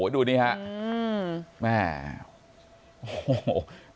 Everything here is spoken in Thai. ดูเดี๋ยวนะครับ